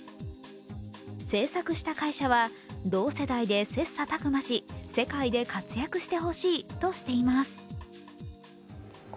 制作した会社は、同世代で切磋琢磨し、世界で活躍してほしいとしています。